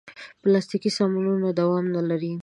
پلاستيکي سامانونه دوام نه لري.